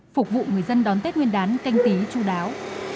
phục vụ người dân đón tết nguyên đán canh tí chú đáo